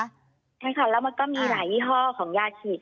ใช่ค่ะแล้วมันก็มีหลายยี่ห้อของยาฉีด